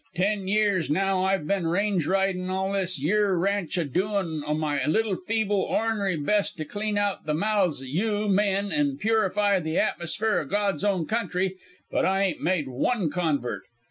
'Ten years now I've been range ridin' all this yere ranch, a doin' o' my little feeble, or'nary best to clean out the mouths o' you men an' purify the atmosphere o' God's own country, but I ain't made one convert.